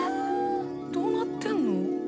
どうなってんの？